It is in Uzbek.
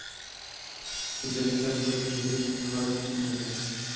Kapitalistlar yovvoyi kapitalizm haqida film oladi.